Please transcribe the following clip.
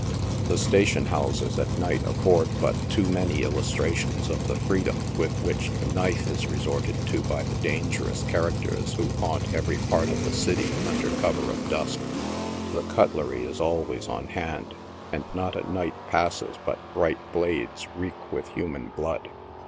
The station houses at night afford but too many illustrations of the freedom with which the knife is resorted to by the dangerous cha racters who haunt every part of the city under cover of dusk. The " cutlery" is always on hand, and not a night passes but bright blades reek with human blood.